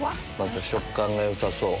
食感がよさそう。